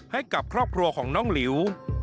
ให้กับครอบครัวของน้องหลิว